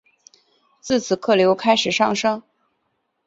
自此客流开始上升。